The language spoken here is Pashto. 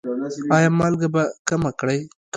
ایا مالګه به کمه کړئ؟